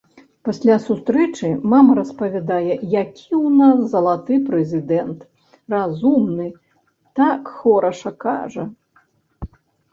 Пасля сустрэчы мама распавядае, які ў нас залаты прэзідэнт, разумны, так хораша кажа.